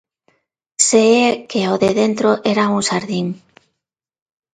Se é que o de dentro era un xardín.